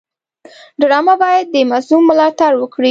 ډرامه باید د مظلوم ملاتړ وکړي